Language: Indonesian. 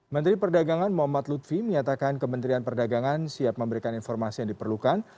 menteri perdagangan muhammad lutfi menyatakan kementerian perdagangan siap memberikan informasi yang diperlukan